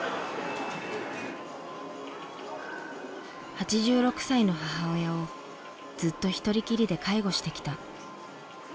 ８６歳の母親をずっと一人きりで介護してきた。